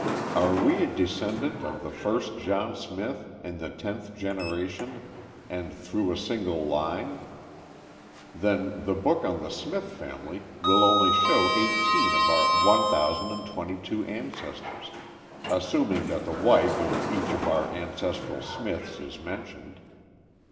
Are we a descendant of the first John Smith, in the tenth generation and through a single line? Then the book on "The Smith Family" will only show 18 of our 1,022 ancestors, assuming that the wife of each of our ancestral Smiths is mentioned.